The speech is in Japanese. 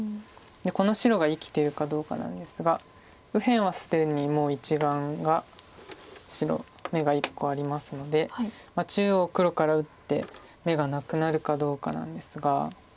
この白が生きてるかどうかなんですが右辺は既にもう１眼が白眼が１個ありますので中央黒から打って眼がなくなるかどうかなんですが。